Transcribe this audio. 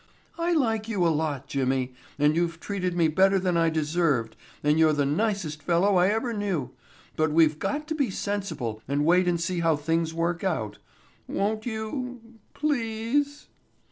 I like you a lot, Jimmy, and you've treated me better than I deserved and you're the nicest fellow I ever knew, but we've got to be sensible and wait and see how things work out. Won't you—please?"